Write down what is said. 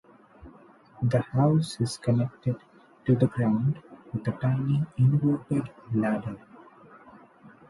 The house is connected to the ground with a tiny inverted ladder.